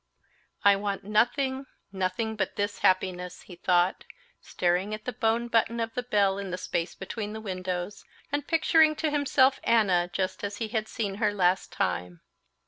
"I want nothing, nothing but this happiness," he thought, staring at the bone button of the bell in the space between the windows, and picturing to himself Anna just as he had seen her last time.